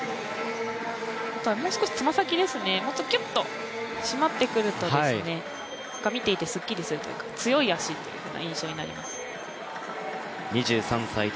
もう少しつま先ですね、キュッと閉まってくると見ていてすっきりするというか、強い足という印象になります。